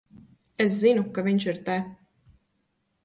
Es zinu, ka viņš ir te.